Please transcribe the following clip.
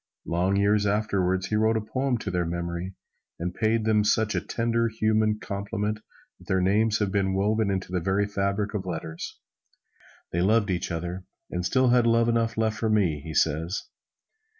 Long years afterward he wrote a poem to their memory, and paid them such a tender, human compliment that their names have been woven into the very fabric of letters. "They loved each other, and still had love enough left for me," he says.